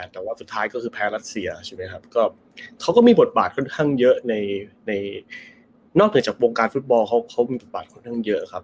แต่ว่าสุดท้ายก็คือแพ้รัสเซียใช่ไหมครับก็เขาก็มีบทบาทค่อนข้างเยอะในนอกเหนือจากวงการฟุตบอลเขามีบทบาทค่อนข้างเยอะครับ